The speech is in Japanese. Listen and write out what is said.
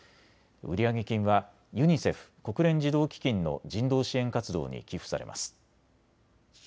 売上金はＵＮＩＣＥＦ・国連児童基金の人道支援活動に寄付されます。